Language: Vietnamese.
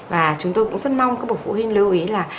và chúng tôi cũng rất mong các bậc phụ huynh lưu ý là